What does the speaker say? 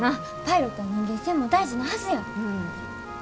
パイロットは人間性も大事なはずや。